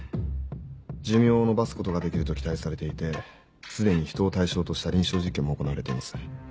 寿命を延ばすことができると期待されていて既に人を対象とした臨床実験も行われています。